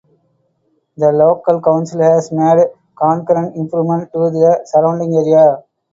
The local council has made concurrent improvements to the surrounding area.